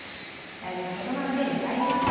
大事なことなので２回言いました。